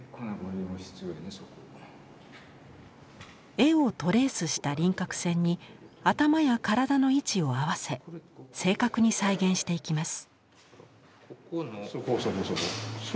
絵をトレースした輪郭線に頭や体の位置を合わせ正確に再現していきます。